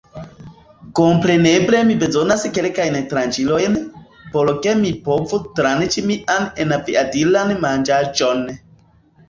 Kompreneble mi bezonas kelkajn tranĉilojn, por ke mi povu tranĉi mian enaviadilan manĝaĵon.